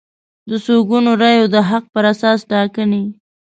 د څو ګونو رایو د حق پر اساس ټاکنې